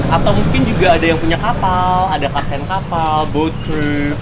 atau mungkin juga ada yang punya kapal ada kapten kapal boat trip